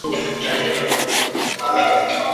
灰蝶属是灰蝶科灰蝶亚科灰蝶族中的一个属。